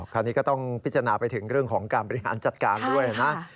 คราวนี้ก็ต้องพิจารณาไปถึงเรื่องของการบริหารจัดการด้วยนะ